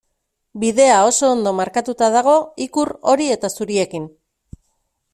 Bidea oso ondo markatuta dago ikur hori eta zuriekin.